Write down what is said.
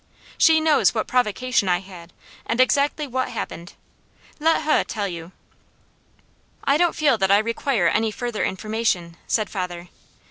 She knows what provocation I had, and exactly what happened. Let heh tell you!" "I don't feel that I require any further information," said father.